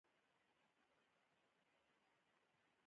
ازادي راډیو د طبیعي پېښې په اړه پرله پسې خبرونه خپاره کړي.